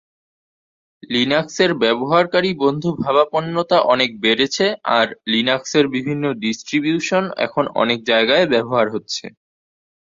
লিনাক্সের ব্যবহারকারী-বন্ধুভাবাপন্নতা অনেক বেড়েছে, আর লিনাক্সের বিভিন্ন ডিস্ট্রিবিউশন এখন অনেক জায়গায় ব্যবহার হচ্ছে।